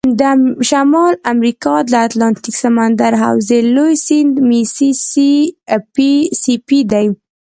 د شمال امریکا د اتلانتیک سمندر حوزې لوی سیند میسی سی پي دی.